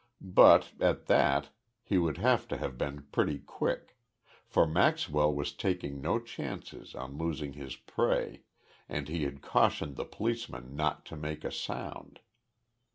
But, at that, he would have to have been pretty quick for Maxwell was taking no chances on losing his prey and he had cautioned the policeman not to make a sound.